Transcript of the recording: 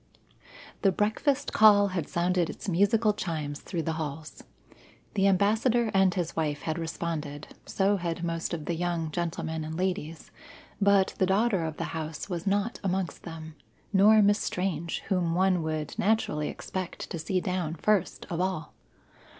The breakfast call had sounded its musical chimes through the halls. The Ambassador and his wife had responded, so had most of the young gentlemen and ladies, but the daughter of the house was not amongst them, nor Miss Strange, whom one would naturally expect to see down first of all.